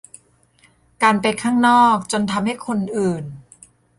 การไปข้างนอกจนทำให้คนอื่น